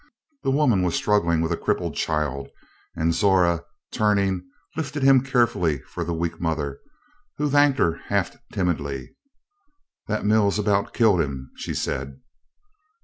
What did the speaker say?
The woman was struggling with a crippled child and Zora, turning, lifted him carefully for the weak mother, who thanked her half timidly. "That mill's about killed him," she said.